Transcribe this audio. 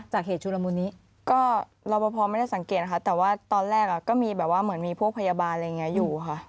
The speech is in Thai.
เหตุชุลมุนนี้ก็รอพอไม่ได้สังเกตนะคะแต่ว่าตอนแรกก็มีแบบว่าเหมือนมีพวกพยาบาลอะไรอย่างนี้อยู่ค่ะ